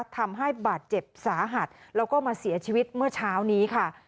ทำให้บาดเจ็บสาหัสแล้วก็มาเสียชีวิตเมื่อเช้านี้ค่ะ